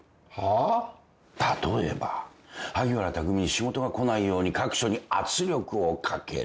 例えば萩原匠に仕事が来ないように各所に圧力をかける。